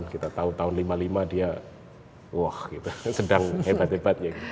kita tahu tahun seribu sembilan ratus lima puluh lima dia wah sedang hebat hebatnya